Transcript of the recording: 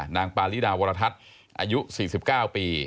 ปาริดาวรทัศน์อายุ๔๙ปี